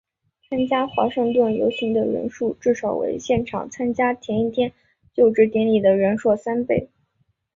参与华盛顿游行的人数至少为现场参与前一天就职典礼的人数三倍。